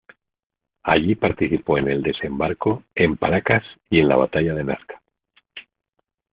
Allí participó en el desembarco en Paracas y en la batalla de Nazca.